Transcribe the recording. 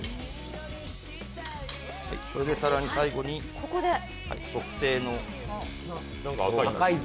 それで最後に特製の。